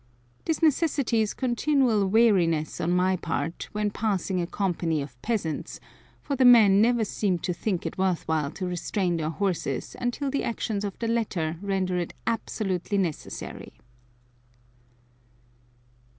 This necessitates continual wariness on my part when passing a company of peasants, for the men never seem to think it worth while to restrain their horses until the actions of the latter render it absolutely necessary.